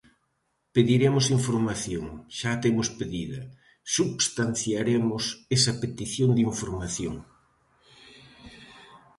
Pediremos información, xa a temos pedida, substanciaremos esa petición de información.